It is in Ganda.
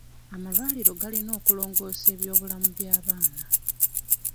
Amalwaliro galina okulongoosa eby'obulamu by'abaana.